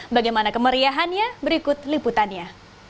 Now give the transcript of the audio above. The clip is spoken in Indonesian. bagaimana kemeriahannya berikut liputannya